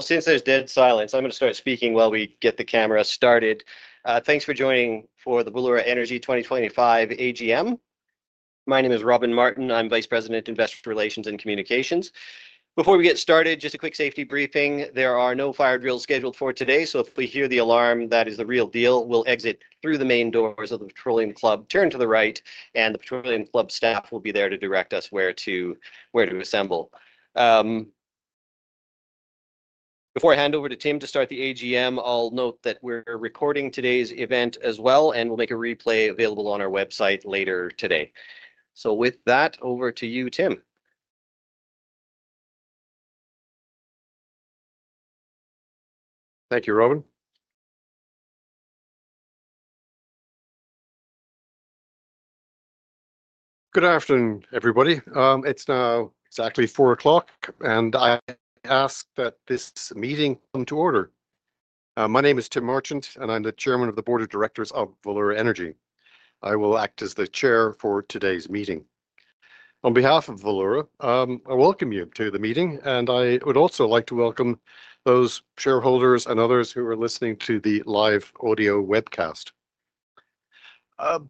Since there's dead silence, I'm going to start speaking while we get the camera started. Thanks for joining for the Valeura Energy 2025 AGM. My name is Robin Martin. I'm Vice President, Investor Relations and Communications. Before we get started, just a quick safety briefing. There are no fire drills scheduled for today, so if we hear the alarm, that is the real deal. We'll exit through the main doors of the Petroleum Club, turn to the right, and the Petroleum Club staff will be there to direct us where to assemble. Before I hand over to Tim to start the AGM, I'll note that we're recording today's event as well, and we'll make a replay available on our website later today. With that, over to you, Tim. Thank you, Robin. Good afternoon, everybody. It's now exactly 4:00, and I ask that this meeting come to order. My name is Tim Marchant, and I'm the Chairman of the Board of Directors of Valeura Energy. I will act as the Chair for today's meeting. On behalf of Valeura, I welcome you to the meeting, and I would also like to welcome those shareholders and others who are listening to the live audio webcast.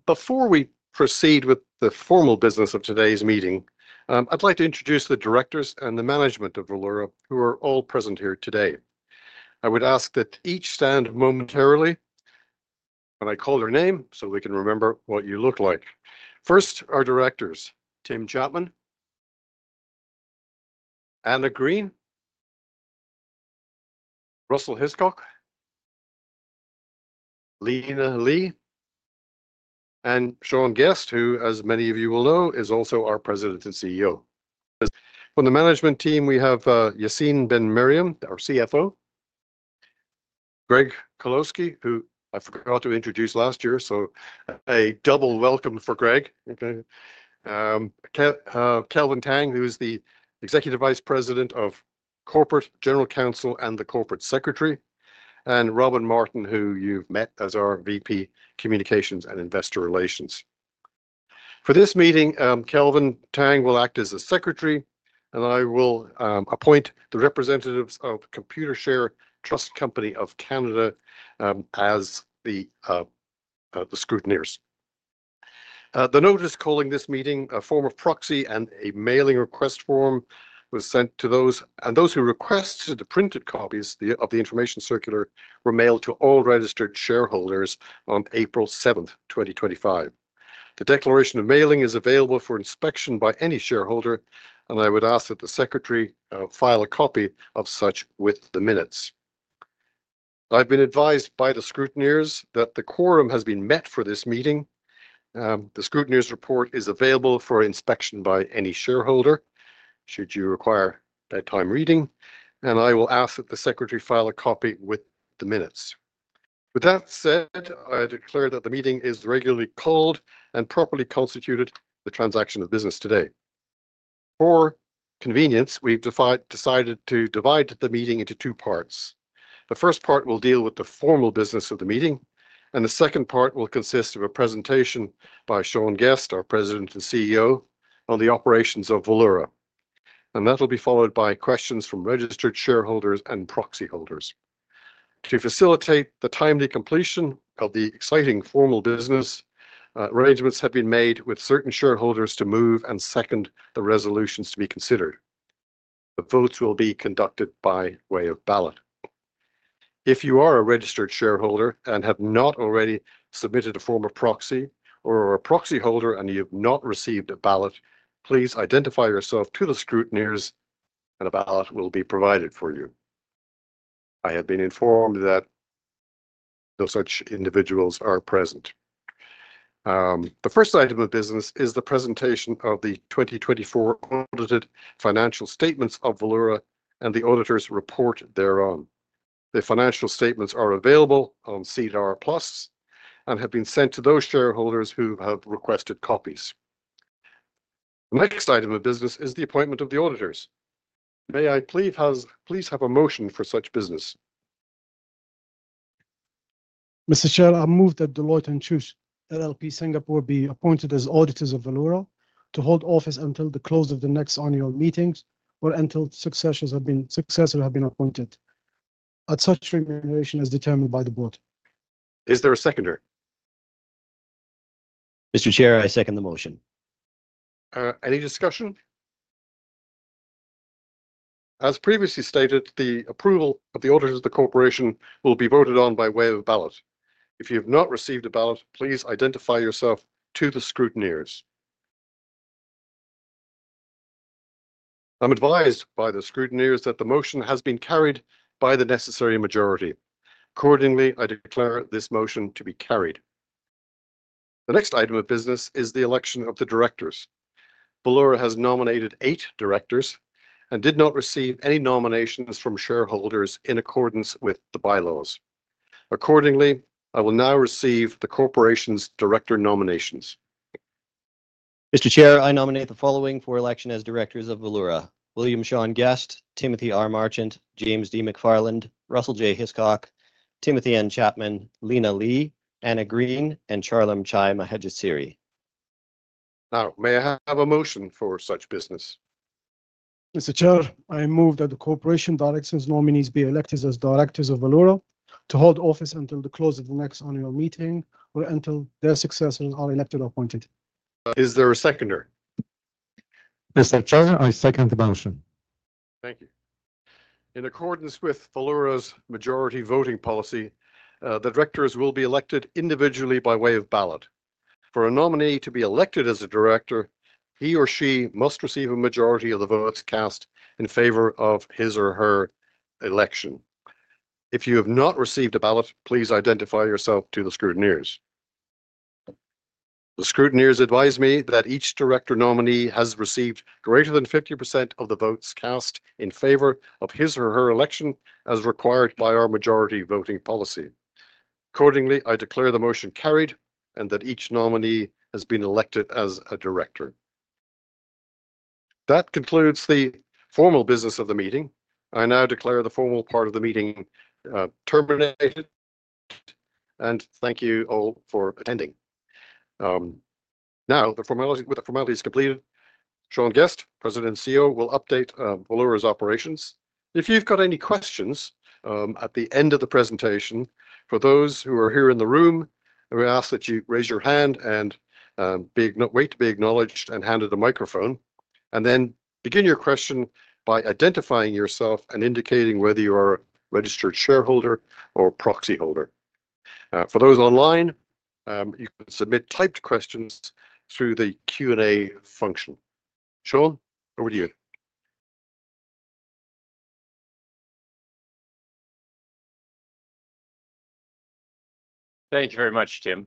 Before we proceed with the formal business of today's meeting, I'd like to introduce the directors and the management of Valeura, who are all present here today. I would ask that each stand momentarily when I call their name so they can remember what you look like. First, our directors: Tim Chapman, Anna Green, Russell J. Hiscock, Lena Lee, and Sean Guest, who, as many of you will know, is also our President and CEO. From the management team, we have Yacine Ben-Meriem, our CFO, Greg Kolowski, who I forgot to introduce last year, so a double welcome for Greg. Kelvin Tang, who is the Executive Vice President of Corporate General Counsel and the Corporate Secretary, and Robin Martin, who you've met as our VP, Communications and Investor Relations. For this meeting, Kelvin Tang will act as the Secretary, and I will appoint the representatives of Computershare Trust Company of Canada as the scrutineers. The notice calling this meeting, a form of proxy and a mailing request form, was sent to those, and those who requested the printed copies of the information circular were mailed to all registered shareholders on April 7, 2025. The declaration of mailing is available for inspection by any shareholder, and I would ask that the Secretary file a copy of such with the minutes. I've been advised by the scrutineers that the quorum has been met for this meeting. The scrutineers' report is available for inspection by any shareholder should you require that time reading, and I will ask that the Secretary file a copy with the minutes. With that said, I declare that the meeting is regularly called and properly constituted for the transaction of business today. For convenience, we've decided to divide the meeting into two parts. The first part will deal with the formal business of the meeting, and the second part will consist of a presentation by Sean Guest, our President and CEO, on the operations of Valeura, and that will be followed by questions from registered shareholders and proxy holders. To facilitate the timely completion of the exciting formal business, arrangements have been made with certain shareholders to move and second the resolutions to be considered. The votes will be conducted by way of ballot. If you are a registered shareholder and have not already submitted a form of proxy or a proxy holder, and you have not received a ballot, please identify yourself to the scrutineers, and a ballot will be provided for you. I have been informed that no such individuals are present. The first item of business is the presentation of the 2024 audited financial statements of Valeura and the auditor's report thereon. The financial statements are available on CDR Plus and have been sent to those shareholders who have requested copies. The next item of business is the appointment of the auditors. May I please have a motion for such business? Mr. Chair, I move that Deloitte & Touche LLP Singapore be appointed as auditors of Valeura to hold office until the close of the next annual meetings or until successors have been appointed, at such remuneration as determined by the board. Is there a seconder? Mr. Chair, I second the motion. Any discussion? As previously stated, the approval of the auditors of the corporation will be voted on by way of a ballot. If you have not received a ballot, please identify yourself to the scrutineers. I'm advised by the scrutineers that the motion has been carried by the necessary majority. Accordingly, I declare this motion to be carried. The next item of business is the election of the directors. Valeura has nominated eight directors and did not receive any nominations from shareholders in accordance with the bylaws. Accordingly, I will now receive the corporation's director nominations. Mr. Chair, I nominate the following for election as directors of Valeura: William Sean Guest, Timothy R. Marchant, James D. McFarland, Russell J. Hiscock, Timothy N. Chapman, Lena Lee, Anna Green, and Charlem Chai Mahejaseri. Now, may I have a motion for such business? Mr. Chair, I move that the corporation's directors nominees be elected as directors of Valeura to hold office until the close of the next annual meeting or until their successors are elected or appointed. Is there a seconder? Mr. Chair, I second the motion. Thank you. In accordance with Valeura's majority voting policy, the directors will be elected individually by way of ballot. For a nominee to be elected as a director, he or she must receive a majority of the votes cast in favor of his or her election. If you have not received a ballot, please identify yourself to the scrutineers. The scrutineers advise me that each director nominee has received greater than 50% of the votes cast in favor of his or her election as required by our majority voting policy. Accordingly, I declare the motion carried and that each nominee has been elected as a director. That concludes the formal business of the meeting. I now declare the formal part of the meeting terminated, and thank you all for attending. Now, the formality is completed. Sean Guest, President and CEO, will update Valeura's operations. If you've got any questions at the end of the presentation, for those who are here in the room, I would ask that you raise your hand and wait to be acknowledged and handed a microphone, and then begin your question by identifying yourself and indicating whether you are a registered shareholder or proxy holder. For those online, you can submit typed questions through the Q&A function. Sean, over to you. Thank you very much, Tim.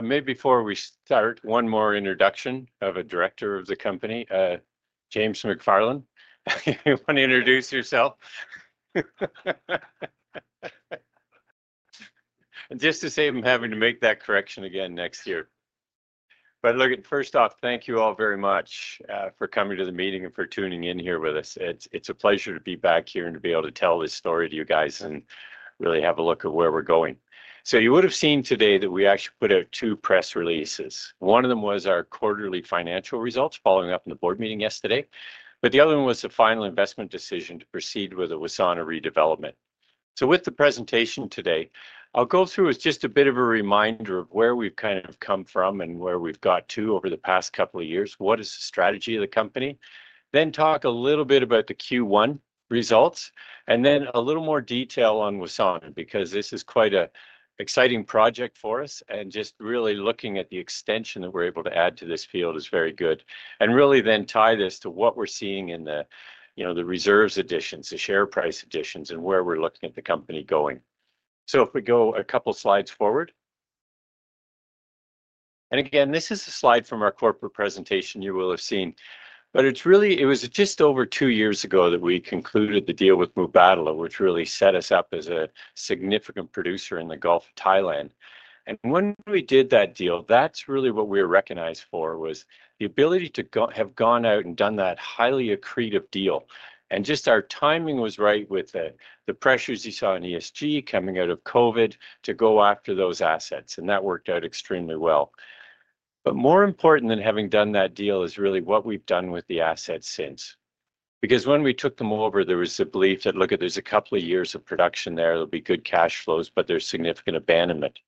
Maybe before we start, one more introduction of a director of the company, James D. McFarland. You want to introduce yourself? Just to save him having to make that correction again next year. First off, thank you all very much for coming to the meeting and for tuning in here with us. It's a pleasure to be back here and to be able to tell this story to you guys and really have a look at where we're going. You would have seen today that we actually put out two press releases. One of them was our quarterly financial results following up on the board meeting yesterday, but the other one was the final investment decision to proceed with the Wassana redevelopment. With the presentation today, I'll go through with just a bit of a reminder of where we've kind of come from and where we've got to over the past couple of years, what is the strategy of the company, then talk a little bit about the Q1 results, and then a little more detail on Wassana because this is quite an exciting project for us. Just really looking at the extension that we're able to add to this field is very good. Really then tie this to what we're seeing in the reserves additions, the share price additions, and where we're looking at the company going. If we go a couple of slides forward. This is a slide from our corporate presentation you will have seen, but it was just over two years ago that we concluded the deal with Mubadala, which really set us up as a significant producer in the Gulf of Thailand. When we did that deal, that's really what we were recognized for was the ability to have gone out and done that highly accretive deal. Our timing was right with the pressures you saw in ESG coming out of COVID to go after those assets, and that worked out extremely well. More important than having done that deal is really what we've done with the assets since. Because when we took them over, there was the belief that, look, there's a couple of years of production there, there'll be good cash flows, but there's significant abandonment.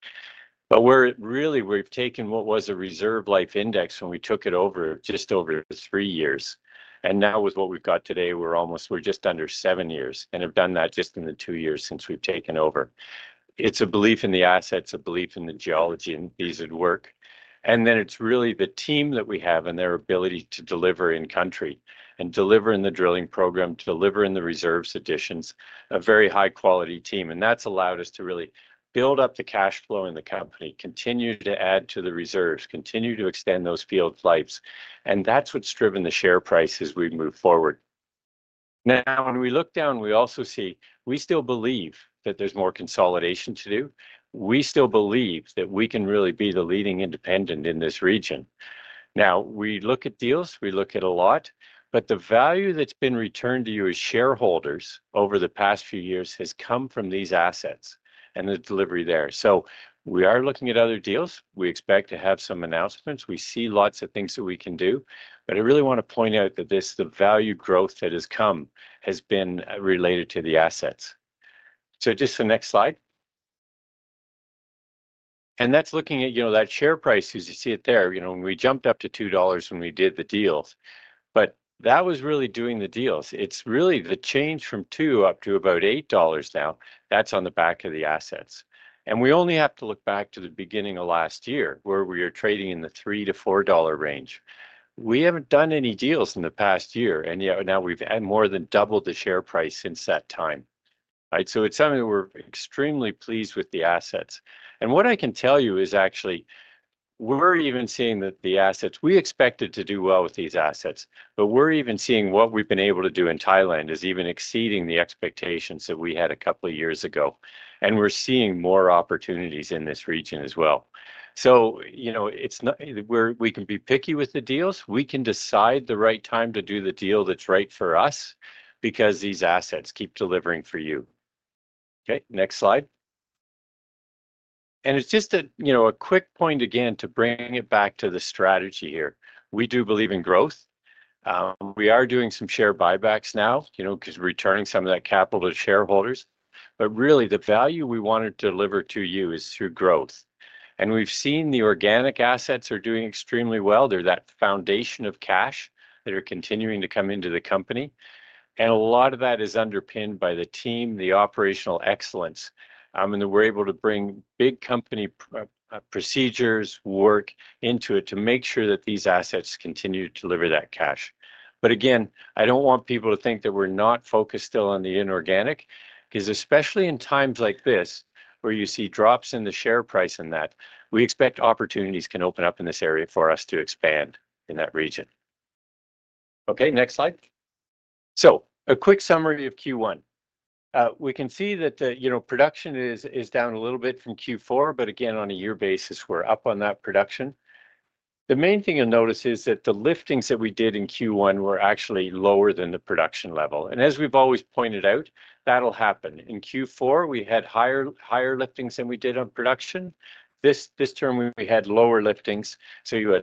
Really, we've taken what was a reserve life index when we took it over just over three years. Now with what we've got today, we're just under seven years and have done that just in the two years since we've taken over. It's a belief in the assets, a belief in the geology, and these would work. It's really the team that we have and their ability to deliver in country and deliver in the drilling program, deliver in the reserves additions, a very high-quality team. That's allowed us to really build up the cash flow in the company, continue to add to the reserves, continue to extend those field lives. That's what's driven the share prices as we move forward. Now, when we look down, we also see we still believe that there's more consolidation to do. We still believe that we can really be the leading independent in this region. Now, we look at deals, we look at a lot, but the value that's been returned to you as shareholders over the past few years has come from these assets and the delivery there. We are looking at other deals. We expect to have some announcements. We see lots of things that we can do, but I really want to point out that the value growth that has come has been related to the assets. Just the next slide. That's looking at that share price as you see it there. We jumped up to 2 dollars when we did the deals, but that was really doing the deals. It's really the change from 2 up to about 8 dollars now. That's on the back of the assets. We only have to look back to the beginning of last year where we were trading in the 3-4 dollar range. We have not done any deals in the past year, and now we have more than doubled the share price since that time. It is something that we are extremely pleased with, the assets. What I can tell you is actually we are even seeing that the assets—we expected to do well with these assets, but we are even seeing what we have been able to do in Thailand is even exceeding the expectations that we had a couple of years ago. We are seeing more opportunities in this region as well. We can be picky with the deals. We can decide the right time to do the deal that is right for us because these assets keep delivering for you. Okay, next slide. It is just a quick point again to bring it back to the strategy here. We do believe in growth. We are doing some share buybacks now because we are returning some of that capital to shareholders. Really, the value we wanted to deliver to you is through growth. We have seen the organic assets are doing extremely well. They are that foundation of cash that are continuing to come into the company. A lot of that is underpinned by the team, the operational excellence, and that we are able to bring big company procedures work into it to make sure that these assets continue to deliver that cash. Again, I do not want people to think that we are not focused still on the inorganic because especially in times like this where you see drops in the share price and that, we expect opportunities can open up in this area for us to expand in that region. Okay, next slide. A quick summary of Q1. We can see that production is down a little bit from Q4, but again, on a year basis, we are up on that production. The main thing you will notice is that the liftings that we did in Q1 were actually lower than the production level. As we have always pointed out, that will happen. In Q4, we had higher liftings than we did on production. This term, we had lower liftings, so you had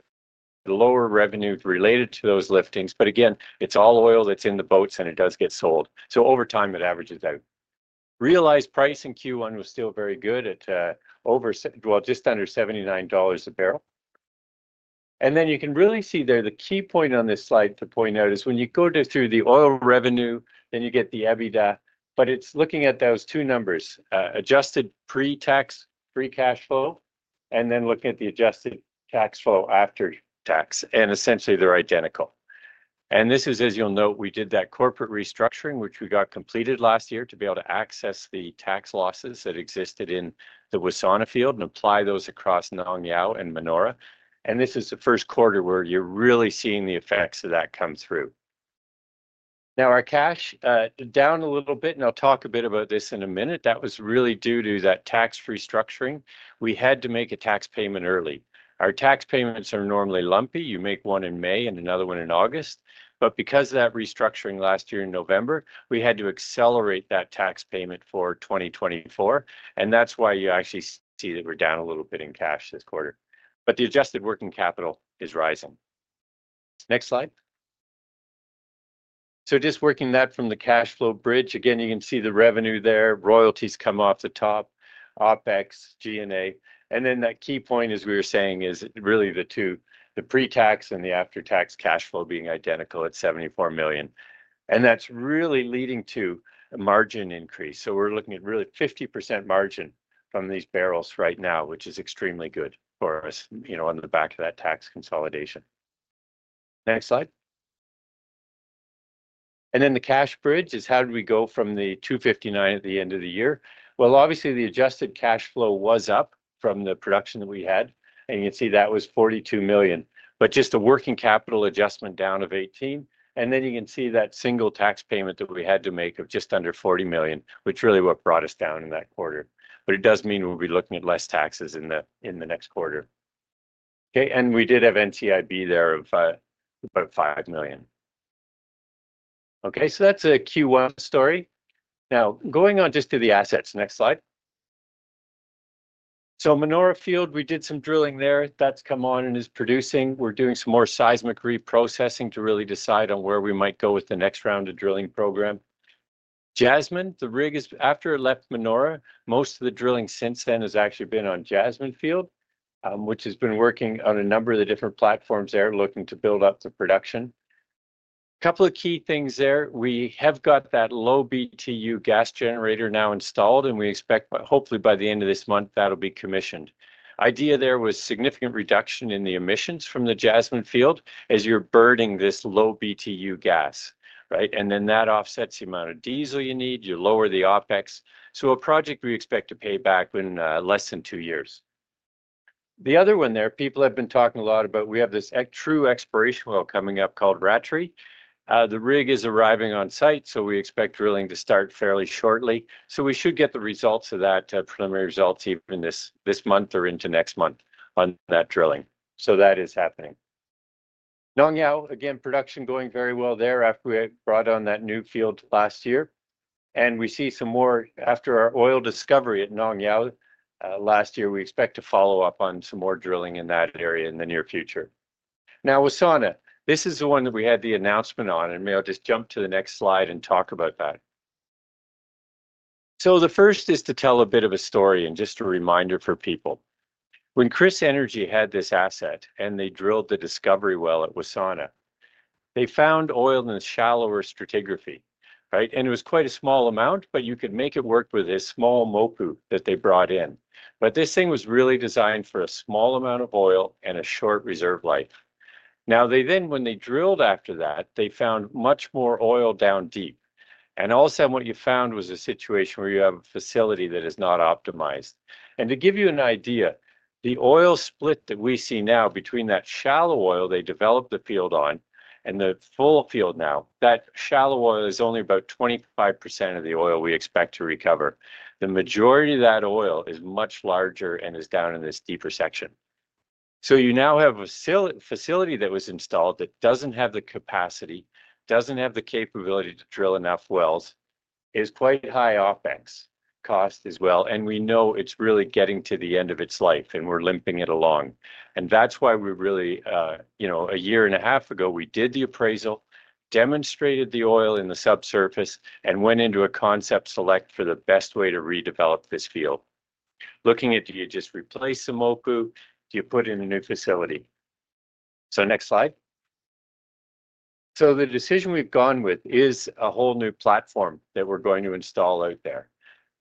lower revenue related to those liftings. Again, it is all oil that is in the boats, and it does get sold. Over time, it averages out. Realized price in Q1 was still very good at, well, just under 79 dollars a barrel. You can really see there the key point on this slide to point out is when you go through the oil revenue, then you get the EBITDA, but it is looking at those two numbers, adjusted pre-tax, pre-cash flow, and then looking at the adjusted tax flow after tax. Essentially, they are identical. This is, as you will note, we did that corporate restructuring, which we got completed last year to be able to access the tax losses that existed in the Wassana field and apply those across Nong Yao and Manora. This is the first quarter where you are really seeing the effects of that come through. Now, our cash down a little bit, and I will talk a bit about this in a minute. That was really due to that tax restructuring. We had to make a tax payment early. Our tax payments are normally lumpy. You make one in May and another one in August. Because of that restructuring last year in November, we had to accelerate that tax payment for 2024. That is why you actually see that we are down a little bit in cash this quarter. The adjusted working capital is rising. Next slide. Just working that from the cash flow bridge, again, you can see the revenue there, royalties come off the top, OpEx, G&A. That key point, as we were saying, is really the two, the pre-tax and the after-tax cash flow being identical at 74 million. That is really leading to a margin increase. We're looking at really 50% margin from these barrels right now, which is extremely good for us on the back of that tax consolidation. Next slide. The cash bridge is how did we go from the 259 million at the end of the year? Obviously, the adjusted cash flow was up from the production that we had. You can see that was 42 million, but just the working capital adjustment down of 18 million. You can see that single tax payment that we had to make of just under 40 million, which is really what brought us down in that quarter. It does mean we'll be looking at less taxes in the next quarter. We did have NTIB there of about 5 million. That's a Q1 story. Now, going on just to the assets. Next slide. Menora Field, we did some drilling there. That's come on and is producing. We're doing some more seismic reprocessing to really decide on where we might go with the next round of drilling program. Jasmine, the rig is after it left Menora, most of the drilling since then has actually been on Jasmine Field, which has been working on a number of the different platforms there looking to build up the production. A couple of key things there. We have got that low BTU gas generator now installed, and we expect hopefully by the end of this month, that'll be commissioned. The idea there was significant reduction in the emissions from the Jasmine Field as you're burning this low BTU gas, right? And then that offsets the amount of diesel you need. You lower the OpEx. A project we expect to pay back in less than two years. The other one there, people have been talking a lot about, we have this true exploration well coming up called Ratri. The rig is arriving on site, so we expect drilling to start fairly shortly. We should get the results of that, preliminary results even this month or into next month on that drilling. That is happening. Nong Yao, again, production going very well there after we brought on that new field last year. We see some more after our oil discovery at Nong Yao last year, we expect to follow up on some more drilling in that area in the near future. Now, Wassana, this is the one that we had the announcement on, and maybe I'll just jump to the next slide and talk about that. The first is to tell a bit of a story and just a reminder for people. When KrisEnergy had this asset and they drilled the discovery well at Wassana, they found oil in a shallower stratigraphy, right? It was quite a small amount, but you could make it work with this small MOPU that they brought in. This thing was really designed for a small amount of oil and a short reserve life. They then, when they drilled after that, found much more oil down deep. All of a sudden, what you found was a situation where you have a facility that is not optimized. To give you an idea, the oil split that we see now between that shallow oil they developed the field on and the full field now, that shallow oil is only about 25% of the oil we expect to recover. The majority of that oil is much larger and is down in this deeper section. You now have a facility that was installed that does not have the capacity, does not have the capability to drill enough wells, is quite high OpEx cost as well. We know it is really getting to the end of its life and we are limping it along. That is why we really, a year and a half ago, did the appraisal, demonstrated the oil in the subsurface, and went into a concept select for the best way to redevelop this field. Looking at, do you just replace the MOPU? Do you put in a new facility? Next slide. The decision we have gone with is a whole new platform that we are going to install out there.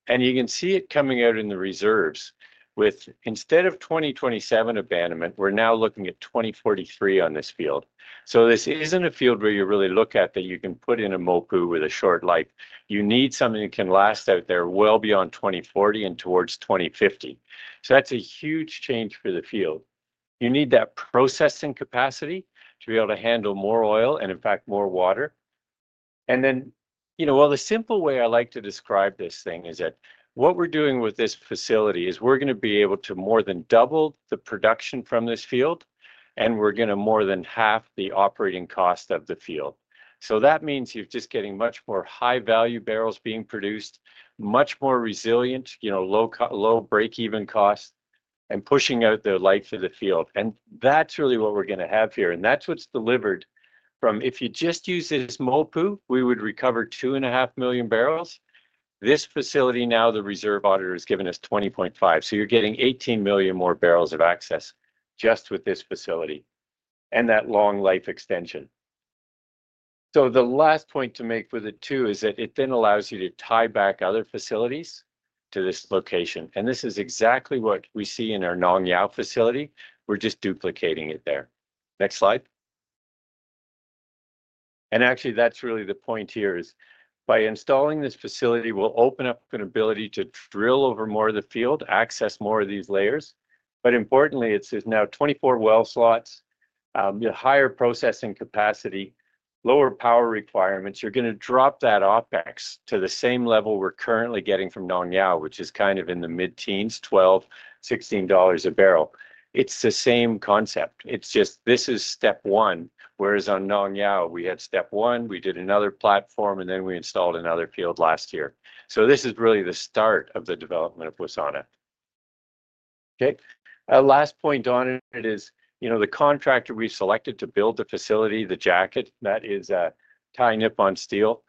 You can see it coming out in the reserves with, instead of 2027 abandonment, we're now looking at 2043 on this field. This isn't a field where you really look at that you can put in a MOPU with a short life. You need something that can last out there well beyond 2040 and towards 2050. That's a huge change for the field. You need that processing capacity to be able to handle more oil and, in fact, more water. The simple way I like to describe this thing is that what we're doing with this facility is we're going to be able to more than double the production from this field, and we're going to more than half the operating cost of the field. That means you're just getting much more high-value barrels being produced, much more resilient, low break-even costs, and pushing out the life of the field. That's really what we're going to have here. That's what's delivered from, if you just use this MOPU, we would recover 2.5 million barrels. This facility now, the reserve auditor has given us 20.5. You're getting 18 million more barrels of access just with this facility and that long life extension. The last point to make with it too is that it then allows you to tie back other facilities to this location. This is exactly what we see in our Nong Yao facility. We're just duplicating it there. Next slide. Actually, that's really the point here is by installing this facility, we'll open up an ability to drill over more of the field, access more of these layers. Importantly, it's now 24 well slots, higher processing capacity, lower power requirements. You're going to drop that OpEx to the same level we're currently getting from Nong Yao, which is kind of in the mid-teens, 12-16 dollars a barrel. It's the same concept. This is step one, whereas on Nong Yao, we had step one, we did another platform, and then we installed another field last year. This is really the start of the development of Wassana. Okay. Last point on it is the contractor we selected to build the facility, the jacket, that is Thai Nippon Steel.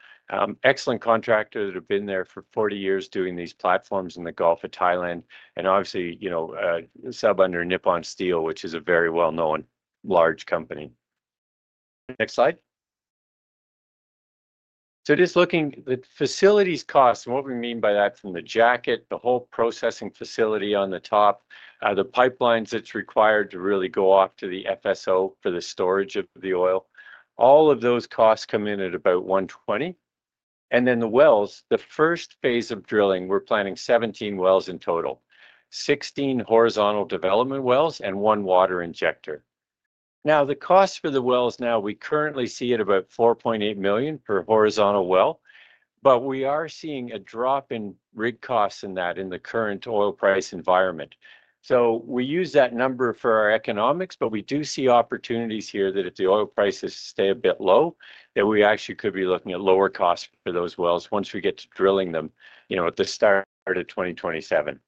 Excellent contractor that have been there for 40 years doing these platforms in the Gulf of Thailand and obviously sub under Thai Nippon Steel, which is a very well-known large company. Next slide. Just looking at facilities costs and what we mean by that from the jacket, the whole processing facility on the top, the pipelines that's required to really go off to the FSO for the storage of the oil. All of those costs come in at about 120 million. The wells, the first phase of drilling, we're planning 17 wells in total, 16 horizontal development wells, and one water injector. The cost for the wells now, we currently see at about 4.8 million per horizontal well, but we are seeing a drop in rig costs in that in the current oil price environment. We use that number for our economics, but we do see opportunities here that if the oil prices stay a bit low, we actually could be looking at lower costs for those wells once we get to drilling them at the start of 2027.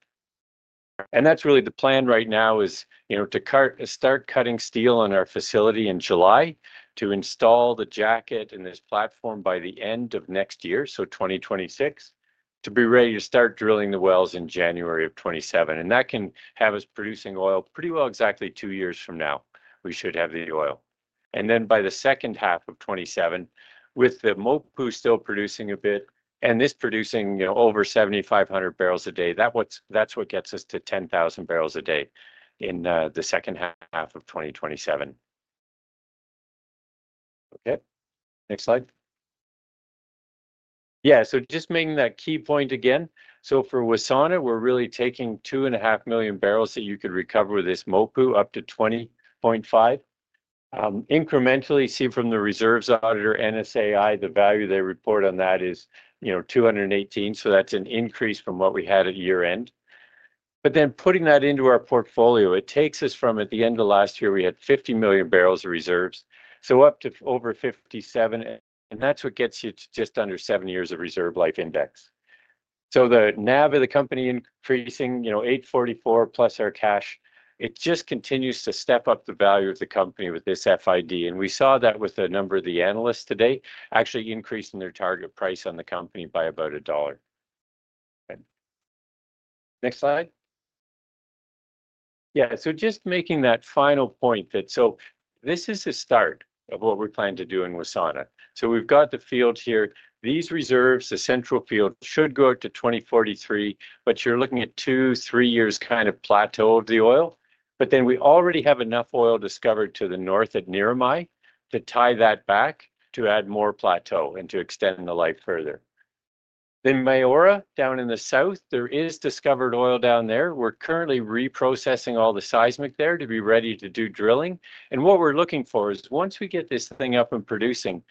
That is really the plan right now, to start cutting steel in our facility in July to install the jacket and this platform by the end of next year, so 2026, to be ready to start drilling the wells in January of 2027. That can have us producing oil pretty well exactly two years from now. We should have the oil. By the second half of 2027, with the MOPU still producing a bit and this producing over 7,500 barrels a day, that is what gets us to 10,000 barrels a day in the second half of 2027. Okay. Next slide. Yeah. Just making that key point again. For Wassana, we're really taking two and a half million barrels that you could recover with this MOPU up to 20.5. Incrementally, see from the reserves auditor, NSAI, the value they report on that is 218. That's an increase from what we had at year-end. Putting that into our portfolio, it takes us from, at the end of last year, we had 50 million barrels of reserves, up to over 57. That's what gets you to just under seven years of reserve life index. The NAV of the company increasing, 844 plus our cash, it just continues to step up the value of the company with this FID. We saw that with a number of the analysts today actually increasing their target price on the company by about a dollar. Next slide. Yeah. Just making that final point that this is the start of what we're planning to do in Wassana. We've got the field here. These reserves, the central field should go up to 2043, but you're looking at two-three years kind of plateau of the oil. We already have enough oil discovered to the north at Neramai to tie that back to add more plateau and to extend the life further. Mayura, down in the south, there is discovered oil down there. We're currently reprocessing all the seismic there to be ready to do drilling. What we're looking for is once we get this thing up and producing,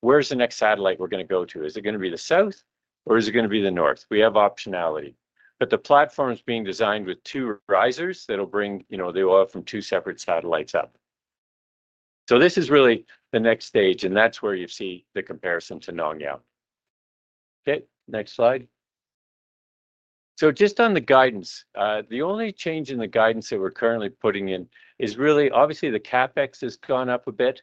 where's the next satellite we're going to go to? Is it going to be the south or is it going to be the north? We have optionality. The platform is being designed with two risers that'll bring the oil from two separate satellites up. This is really the next stage, and that's where you see the comparison to Nong Yao. Okay. Next slide. Just on the guidance, the only change in the guidance that we're currently putting in is really, obviously, the CapEx has gone up a bit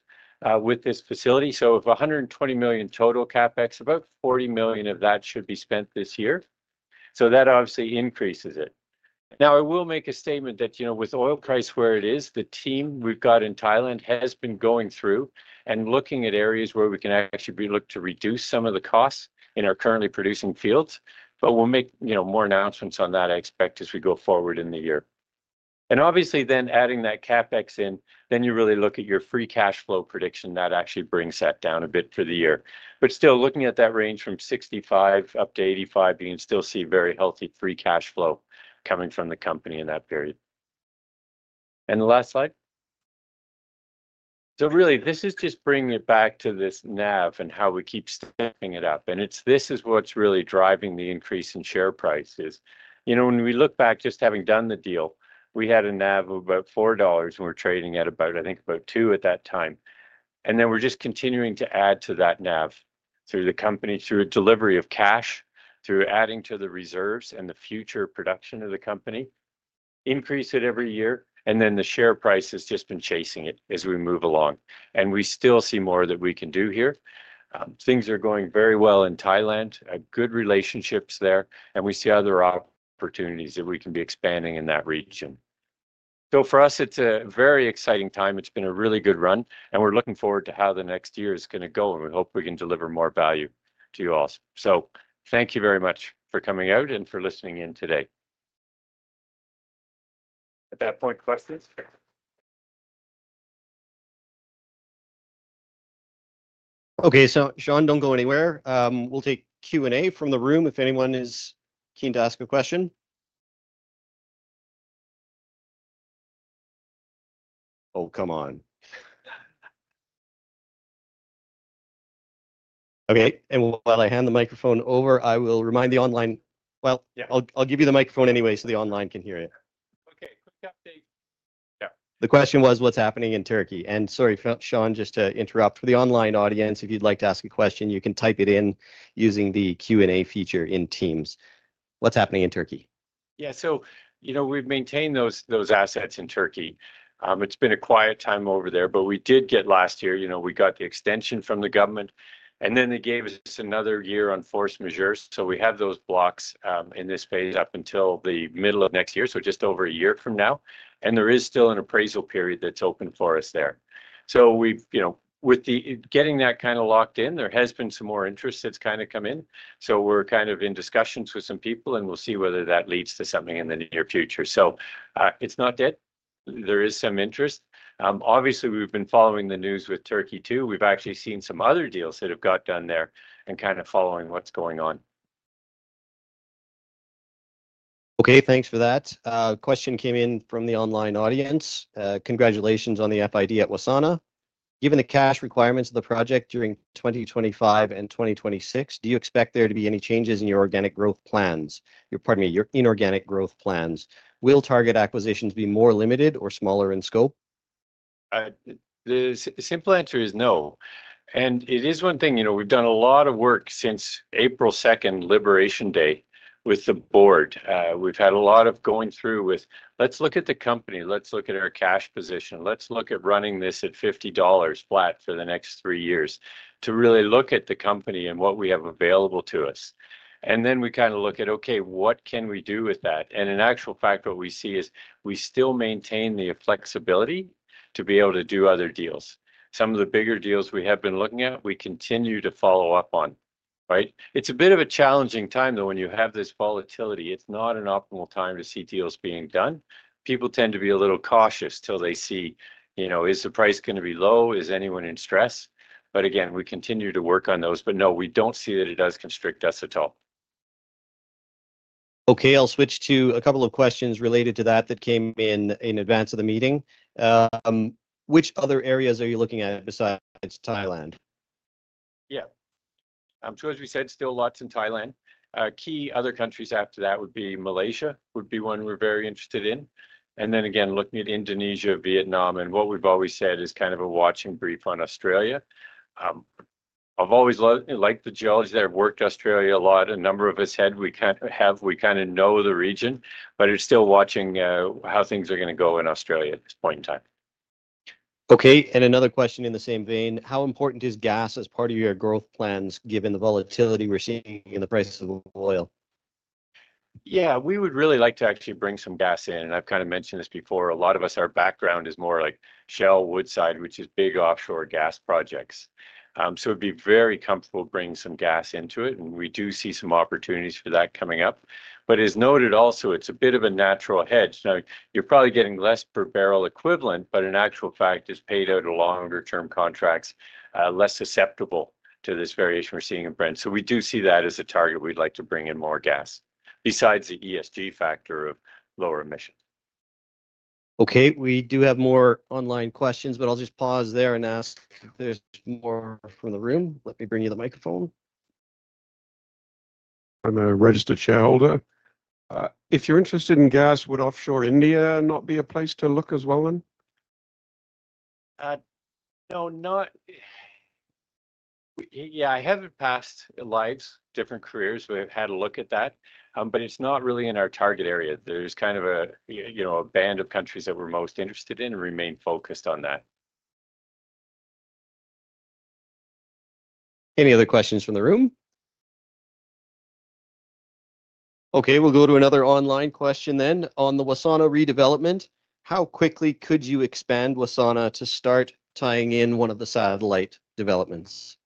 with this facility. Of 120 million total CapEx, about 40 million of that should be spent this year. That obviously increases it. Now, I will make a statement that with oil price where it is, the team we've got in Thailand has been going through and looking at areas where we can actually look to reduce some of the costs in our currently producing fields. We'll make more announcements on that, I expect, as we go forward in the year. Obviously, then adding that CapEx in, you really look at your free cash flow prediction that actually brings that down a bit for the year. Still looking at that range from 65-85, you can still see very healthy free cash flow coming from the company in that period. The last slide. Really, this is just bringing it back to this NAV and how we keep stepping it up. This is what is really driving the increase in share prices. When we look back, just having done the deal, we had a NAV of about 4 dollars, and we were trading at about, I think, about 2 at that time. We are just continuing to add to that NAV through the company, through a delivery of cash, through adding to the reserves and the future production of the company, increase it every year. Then the share price has just been chasing it as we move along. We still see more that we can do here. Things are going very well in Thailand, good relationships there, and we see other opportunities that we can be expanding in that region. For us, it is a very exciting time. It has been a really good run, and we are looking forward to how the next year is going to go, and we hope we can deliver more value to you all. Thank you very much for coming out and for listening in today. At that point, questions? Okay. Sean, do not go anywhere. We will take Q&A from the room if anyone is keen to ask a question. Oh, come on. Okay. While I hand the microphone over, I will remind the online, well, I'll give you the microphone anyway so the online can hear it. Okay. Quick update. Yeah. The question was, what's happening in Turkey? Sorry, Sean, just to interrupt, for the online audience, if you'd like to ask a question, you can type it in using the Q&A feature in Teams. What's happening in Turkey? Yeah. We've maintained those assets in Turkey. It's been a quiet time over there, but we did get last year, we got the extension from the government, and then they gave us another year on force majeure. We have those blocks in this phase up until the middle of next year, so just over a year from now. There is still an appraisal period that's open for us there. With getting that kind of locked in, there has been some more interest that's kind of come in. We're kind of in discussions with some people, and we'll see whether that leads to something in the near future. It's not dead. There is some interest. Obviously, we've been following the news with Turkey too. We've actually seen some other deals that have got done there and kind of following what's going on. Okay. Thanks for that. Question came in from the online audience. Congratulations on the FID at Wassana. Given the cash requirements of the project during 2025 and 2026, do you expect there to be any changes in your organic growth plans? Pardon me, your inorganic growth plans. Will target acquisitions be more limited or smaller in scope? The simple answer is no. It is one thing. We've done a lot of work since April 2nd, Liberation Day, with the board. We've had a lot of going through with, let's look at the company, let's look at our cash position, let's look at running this at 50 dollars flat for the next three years to really look at the company and what we have available to us. Then we kind of look at, okay, what can we do with that? In actual fact, what we see is we still maintain the flexibility to be able to do other deals. Some of the bigger deals we have been looking at, we continue to follow up on. Right? It's a bit of a challenging time, though, when you have this volatility. It's not an optimal time to see deals being done. People tend to be a little cautious till they see, is the price going to be low? Is anyone in stress? But again, we continue to work on those. But no, we do not see that it does constrict us at all. Okay. I'll switch to a couple of questions related to that that came in in advance of the meeting. Which other areas are you looking at besides Thailand? Yeah. As we said, still lots in Thailand. Key other countries after that would be Malaysia, which is one we are very interested in. Then again, looking at Indonesia, Vietnam, and what we have always said is kind of a watching brief on Australia. I have always liked the geology. I have worked Australia a lot. A number of us said we kind of know the region, but it is still watching how things are going to go in Australia at this point in time. Okay. Another question in the same vein. How important is gas as part of your growth plans given the volatility we're seeing in the price of oil? Yeah. We would really like to actually bring some gas in. And I've kind of mentioned this before. A lot of us, our background is more like Shell, Woodside, which is big offshore gas projects. So it'd be very comfortable bringing some gas into it. We do see some opportunities for that coming up. As noted also, it's a bit of a natural hedge. Now, you're probably getting less per barrel equivalent, but in actual fact, it's paid out to longer-term contracts, less susceptible to this variation we're seeing in Brent. We do see that as a target. We'd like to bring in more gas besides the ESG factor of lower emissions. Okay. We do have more online questions, but I'll just pause there and ask if there's more from the room. Let me bring you the microphone. I'm a registered shareholder. If you're interested in gas, would offshore India not be a place to look as well then? No, not yet, I haven't. Past lives, different careers. We've had a look at that, but it's not really in our target area. There's kind of a band of countries that we're most interested in and remain focused on that. Any other questions from the room? Okay. We'll go to another online question then. On the Wassana redevelopment, how quickly could you expand Wassana to start tying in one of the satellite developments?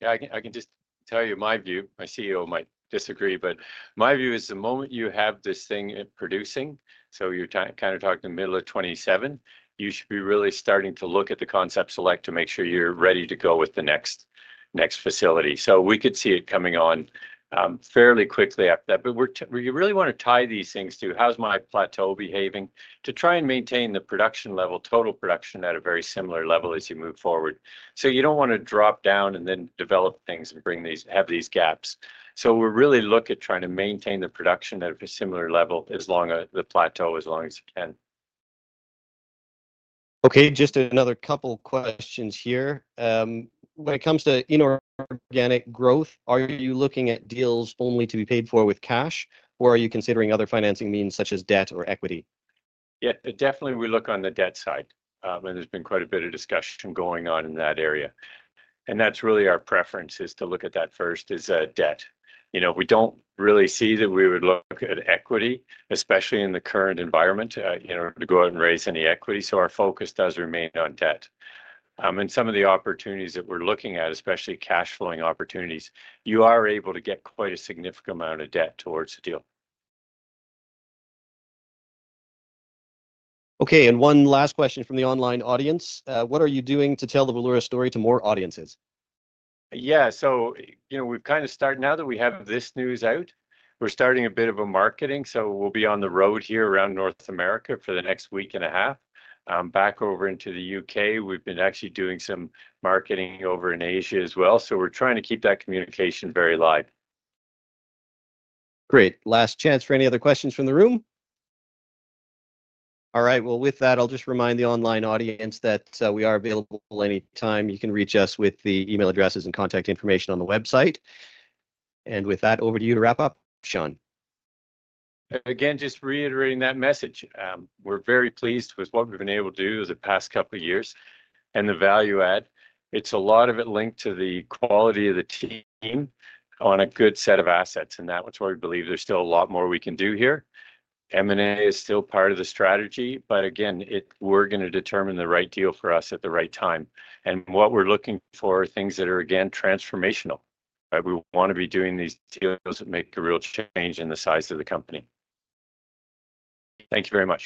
Yeah. I can just tell you my view. My CEO might disagree, but my view is the moment you have this thing producing, so you're kind of talking the middle of 2027, you should be really starting to look at the concept select to make sure you're ready to go with the next facility. We could see it coming on fairly quickly after that. We really want to tie these things to how's my plateau behaving to try and maintain the production level, total production at a very similar level as you move forward. You don't want to drop down and then develop things and have these gaps. We really look at trying to maintain the production at a similar level as long as the plateau, as long as you can. Okay. Just another couple of questions here. When it comes to inorganic growth, are you looking at deals only to be paid for with cash, or are you considering other financing means such as debt or equity? Yeah. Definitely, we look on the debt side. There has been quite a bit of discussion going on in that area. That is really our preference, to look at that first, is debt. We do not really see that we would look at equity, especially in the current environment, to go out and raise any equity. Our focus does remain on debt. Some of the opportunities that we are looking at, especially cash flowing opportunities, you are able to get quite a significant amount of debt towards a deal. Okay. One last question from the online audience. What are you doing to tell the Valeura story to more audiences? Yeah. So we've kind of started now that we have this news out, we're starting a bit of a marketing. We'll be on the road here around North America for the next week and a half, back over into the U.K. We've been actually doing some marketing over in Asia as well. We're trying to keep that communication very live. Great. Last chance for any other questions from the room? All right. With that, I'll just remind the online audience that we are available anytime. You can reach us with the email addresses and contact information on the website. With that, over to you to wrap up, Sean. Again, just reiterating that message. We're very pleased with what we've been able to do the past couple of years and the value add. It's a lot of it linked to the quality of the team on a good set of assets. That's why we believe there's still a lot more we can do here. M&A is still part of the strategy. Again, we're going to determine the right deal for us at the right time. What we're looking for are things that are, again, transformational. We want to be doing these deals that make a real change in the size of the company. Thank you very much.